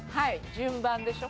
順番でしょ？